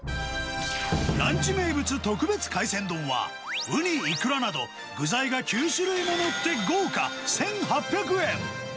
ランチ名物、特別海鮮丼は、ウニ、イクラなど、具材が９種類も載って豪華、１８００円。